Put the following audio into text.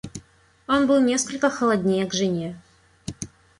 Он был несколько холоднее к жене.